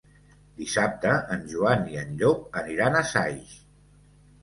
Dissabte en Joan i en Llop aniran a Saix.